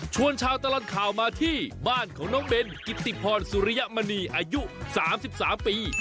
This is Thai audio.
ชาวตลอดข่าวมาที่บ้านของน้องเบนกิติพรสุริยมณีอายุ๓๓ปี